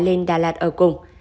lên đà lạt ở cùng